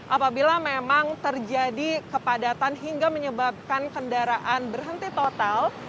apabila memang terjadi kepadatan hingga menyebabkan kendaraan berhenti total